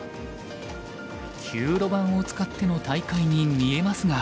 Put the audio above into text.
９路盤を使っての大会に見えますが。